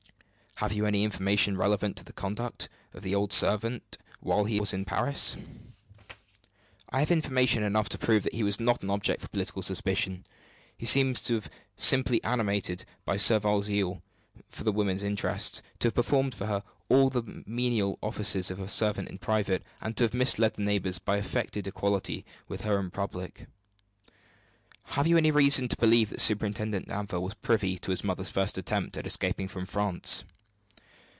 "Have you any information relative to the conduct of the old servant while he was in Paris?" "I have information enough to prove that he was not an object for political suspicion. He seems to have been simply animated by servile zeal for the woman's interests; to have performed for her all the menial offices of a servant in private; and to have misled the neighbors by affected equality with her in public." "Have you any reason to believe that Superintendent Danville was privy to his mother's first attempt at escaping from France?"